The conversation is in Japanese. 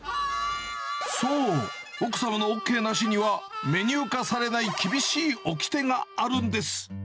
そう、奥様のＯＫなしにはメニュー化されない厳しいおきてがあるんです。